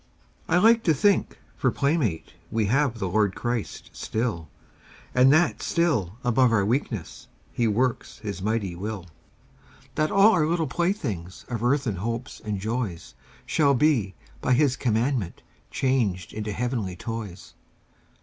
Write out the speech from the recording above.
I like to think, for playmate We have the Lord Christ still, And that still above our weakness He works His mighty will, That all our little playthings Of earthen hopes and joys Shall be, by His commandment, Changed into heavenly toys.